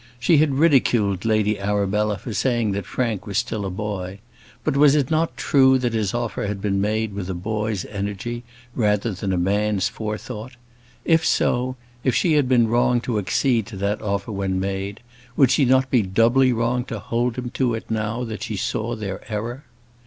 She had ridiculed Lady Arabella for saying that Frank was still a boy; but was it not true that his offer had been made with a boy's energy, rather than a man's forethought? If so, if she had been wrong to accede to that offer when made, would she not be doubly wrong to hold him to it now that she saw their error?